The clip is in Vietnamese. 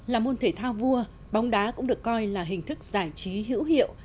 là môn thể thao vua bóng đá cũng được coi là hình thức giải trí hữu hiệu